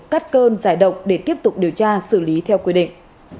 cắt cơn giải động để tiếp tục điều tra xử lý theo quy định